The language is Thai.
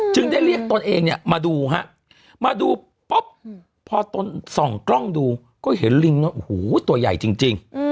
จึงได้เรียกตนเองมาดูมาดูป๊อบพอส่องกล้องดูก็เห็นลิงโหตัวใหญ่จริง